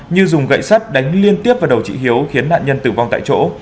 như dùng gậy sắt đánh liên tiếp vào đầu chị hiếu khiến nạn nhân tử vong tại chỗ